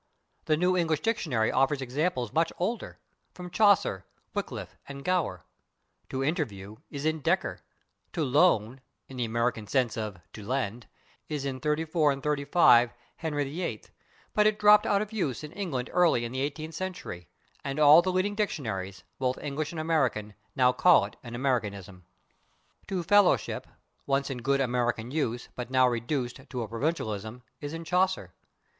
The New English Dictionary offers examples much older from Chaucer, Wyclif and Gower. /To interview/ is in Dekker. /To loan/, in the American sense of to lend, is in 34 and 35 Henry VIII, but it dropped out of use in England early in the eighteenth century, and all the leading dictionaries, both English and American, now call it an Americanism. /To fellowship/, once in good American use but now reduced to a provincialism, is in Chaucer.